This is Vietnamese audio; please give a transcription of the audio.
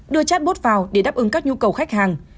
đưa chatbot vào để đáp ứng các nhu cầu khách hàng